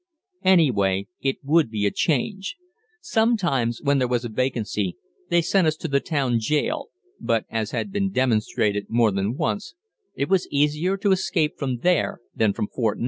Any way, it would be a change. Sometimes, when there was a vacancy, they sent us to the town jail, but, as had been demonstrated more than once, it was easier to escape from there than from Fort 9.